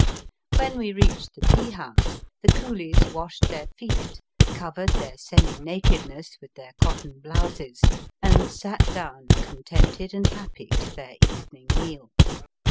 When we reached the tea house the coolies washed their feet, covered their semi naked ness with their cotton blouses, and sat down, contented and happy, to their evening meal.